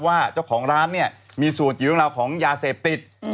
ว่าเจ้าของร้านมีส่วนอยู่เรื่องราวของยาเสพติด